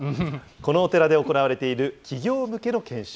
このお寺で行われている企業向けの研修。